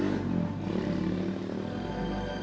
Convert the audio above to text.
aku mau balik